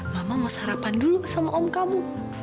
mama mau sarapan dulu sama om kamu